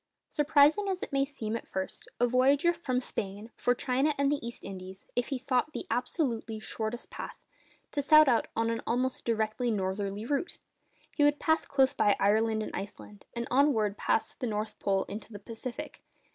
Surprising as it may seem at first sight, a voyager from Spain for China and the East Indies ought, if he sought the absolutely shortest path, to set out on an almost direct northerly route! He would pass close by Ireland and Iceland, and onwards past the North Pole into the Pacific.